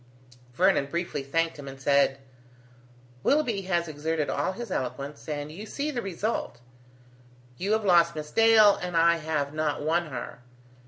Vernon briefly thanked him, and said: "Willoughby has exerted all his eloquence, and you see the result: you have lost Miss Dale and I have not won her.